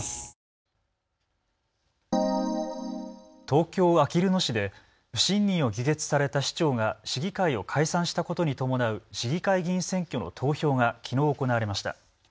東京あきる野市で不信任を議決された市長が市議会を解散したことに伴う市議会議員選挙の投票がきのう行われました。